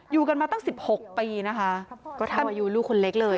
อยู่กันมาตั้ง๑๖ปีนะคะก็แทบอายุลูกคนเล็กเลย